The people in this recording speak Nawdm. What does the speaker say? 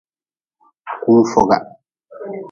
Kunfoga.